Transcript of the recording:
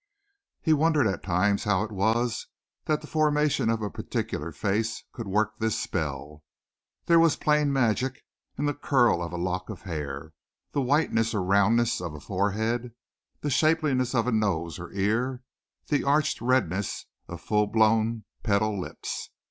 He wondered at times how it was that the formation of a particular face could work this spell. There was plain magic in the curl of a lock of hair, the whiteness or roundness of a forehead, the shapeliness of a nose or ear, the arched redness of full blown petal lips.